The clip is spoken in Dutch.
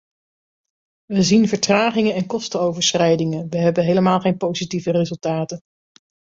We zien vertragingen en kostenoverschrijdingen; we hebben helemaal geen positieve resultaten.